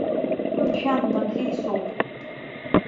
Бымшәан, Мадлеи соуп.